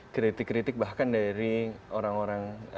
kritik kritik bahkan dari orang orang